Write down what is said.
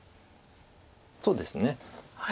そうですね。